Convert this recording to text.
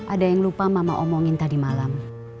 ada yang lupa mama omongin tadi malam